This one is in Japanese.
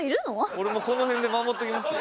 俺もうこの辺で守っときますよ。